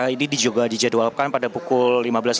ini juga dijadwalkan pada pukul lima belas tiga puluh